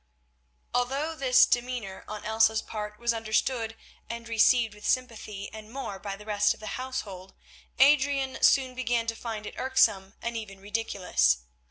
Although this demeanour on Elsa's part was understood and received with sympathy and more by the rest of the household, Adrian soon began to find it irksome and even ridiculous.